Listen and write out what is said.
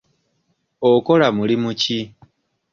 Okola mulimu ki?